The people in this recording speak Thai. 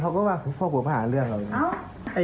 เขาก็ว่าพ่อพ่อพ่อไปหาเรื่องอะไร